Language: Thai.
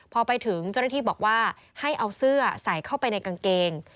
พอไปถึงเจ้าหน้าที่บอกว่าให้เอาเสื้อใส่เข้าไปในกางเกง